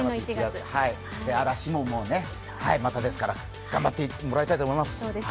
嵐もまたですから、頑張っていただきたいと思います。